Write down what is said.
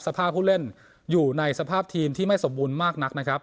ผู้เล่นอยู่ในสภาพทีมที่ไม่สมบูรณ์มากนักนะครับ